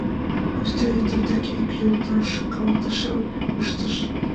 — Костя ӱдыр деке ик йолтошкалтышым ыштыш.